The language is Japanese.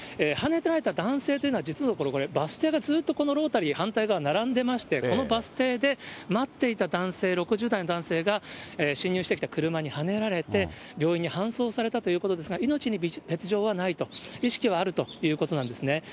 はねられた男性というのは実のところ、バス停がずっとこのロータリー、反対側並んでまして、このバス停で待っていた男性、６０代の男性が、進入してきた車にはねられて、病院に搬送されたということですが、命に別状はないと、意識はあるということなんですね。